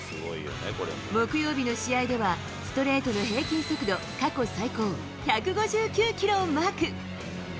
木曜日の試合では、ストレートの平均速度、過去最高１５９キロをマーク。